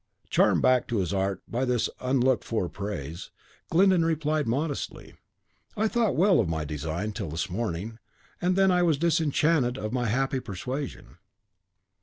Charmed back to his art by this unlooked for praise, Glyndon replied modestly, "I thought well of my design till this morning; and then I was disenchanted of my happy persuasion."